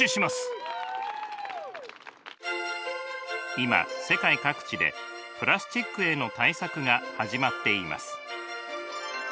今世界各地でプラスチックへの対策が始まっています。